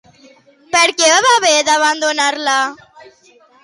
Per què va haver d'abandonar-la?